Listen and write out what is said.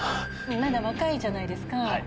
まだ若いじゃないですか。